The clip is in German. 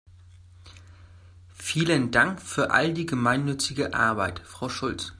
Vielen Dank für all die gemeinnützige Arbeit, Frau Schulz!